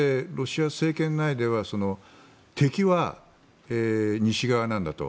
一方でロシア政権内では敵は西側なんだと。